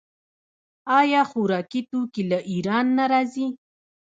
آیا خوراکي توکي له ایران نه راځي؟